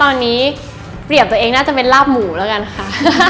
ตอนนี้เปรียบตัวเองน่าจะเป็นลาบหมูแล้วกันค่ะ